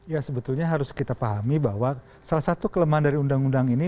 ya sebetulnya harus kita pahami bahwa salah satu kelemahan dari undang undang ini